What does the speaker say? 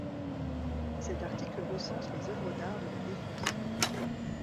Cet article recense les œuvres d'art de La Défense.